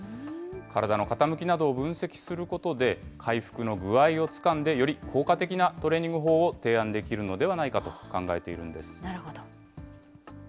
体の傾きなどを分析することで、回復の具合をつかんで、より効果的なトレーニング法を提案できるなるほど。